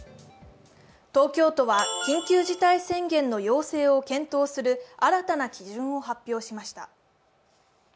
東京都は緊急事態宣言の要請を検討する新たな基準を発表しました。